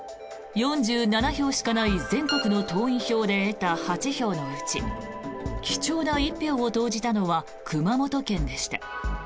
４７票しかない全国の党員票で得た８票のうち貴重な１票を投じたのは熊本県でした。